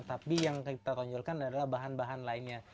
tapi yang kita tonjolkan adalah bahan bahan lainnya